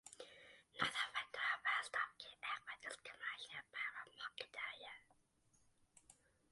North of Rideau and west of King Edward is the commercial Byward Market area.